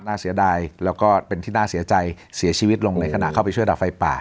เสียดายแล้วก็เป็นที่น่าเสียใจเสียชีวิตลงในขณะเข้าไปช่วยดับไฟป่า